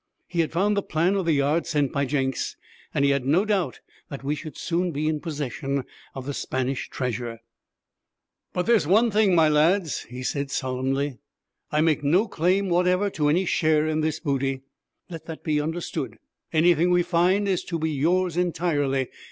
He had found the plan of the yard sent by Jenks, and he had no doubt that we should soon be in possession of the Spanish treasure. 'But there's one thing, my lads,' he said solemnly: 'I make no claim whatever to any share in this booty. Let that be understood. Anything we find is to be yours entirely.